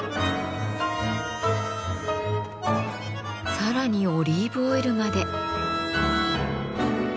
さらにオリーブオイルまで。